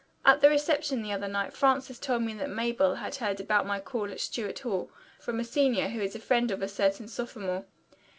At the reception the other night Frances told me that Mabel had heard about my call at Stuart Hall from a senior who is a friend of a certain sophomore.